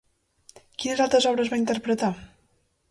Quines altres obres va interpretar?